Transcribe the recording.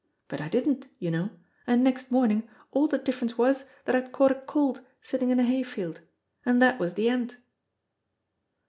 But I didn't, you know, and next morning all the difference was that I'd caught a cold sitting in a hayfield and that was the end."